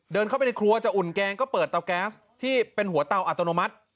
เดินเข้าไปในครัวจะอุ่นแกงก็เปิดเตาแก๊สที่เป็นหัวเตาอัตโนมัติ